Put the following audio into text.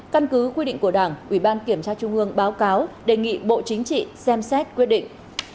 căn cứ quy định của đảng ủy ban kiểm tra trung ương báo cáo đề nghị bộ chính trị xem xét quyết định